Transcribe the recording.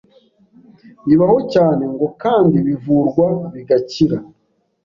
bibaho cyane ngo kandi bivurwa bigakira.